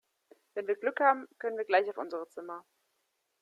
Wenn wir Glück haben, können wir gleich auf unsere Zimmer.